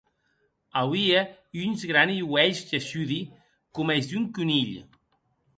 Auie uns grani uelhs gessudi, coma es d’un conilh.